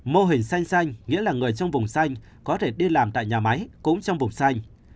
mô hình xanh xanh nghĩa là người trong vùng xanh có thể đi làm tại nhà máy cũng trong vùng xanh